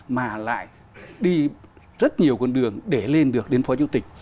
mà lại đi rất nhiều con đường để lên được đến phó chủ tịch